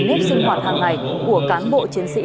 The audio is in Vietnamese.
nếp sinh hoạt hàng ngày của cán bộ chiến sĩ